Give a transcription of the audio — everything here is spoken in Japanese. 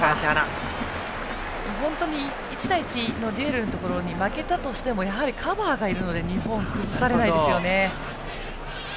本当に１対１のデュエルのところに負けたとしてもカバーがいるので日本は崩されないですよね。